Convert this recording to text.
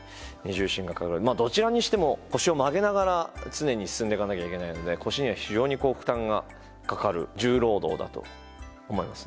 まあどちらにしても腰を曲げながら常に進んでいかなきゃいけないので腰には非常に負担がかかる重労働だと思いますね。